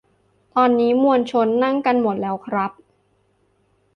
ตอนนี้มวลชนนั่งกันหมดแล้วครับ